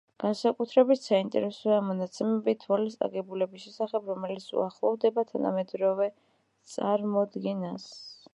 განსაკუთრებით საინტერესოა მონაცემები თვალის აგებულების შესახებ, რომელიც უახლოვდება თანამედროვე წარმოდგენას.